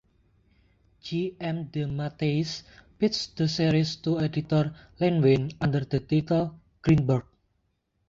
J. M. DeMatteis pitched the series to editor Len Wein under the title "Greenberg".